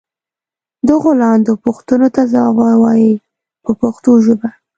دغو لاندې پوښتنو ته ځواب و وایئ په پښتو ژبه.